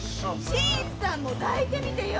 新さんも抱いてみてよ！